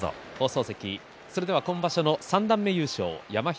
今場所の三段目優勝山響